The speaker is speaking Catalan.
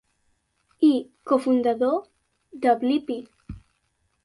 i cofundador de Blippy.